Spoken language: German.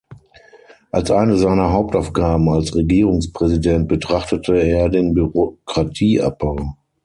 Als eine seiner Hauptaufgaben als Regierungspräsident betrachtete er den Bürokratieabbau.